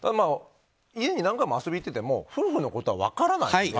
家に何回行ってても夫婦のことは分からないので。